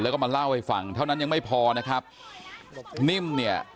แล้วก็มาเล่าให้ฟังเท่านั้นยังไม่พอนะครับนิ่มเนี่ย